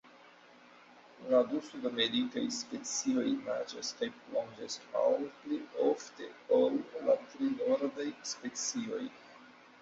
La du sudamerikaj specioj naĝas kaj plonĝas malpli ofte ol la tri nordaj specioj.